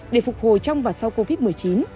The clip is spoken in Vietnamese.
để phục hồi trong và sau covid một mươi chín